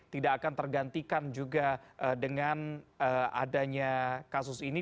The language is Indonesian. tidak akan tergantikan juga dengan adanya kasus ini